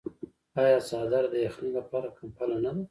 آیا څادر د یخنۍ لپاره کمپله نه ده؟